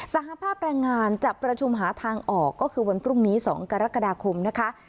สหภาพแรงงานจะประชุมหาทางออกก็คือวันพรุ่งนี้๒กรกฎาคมนะคะ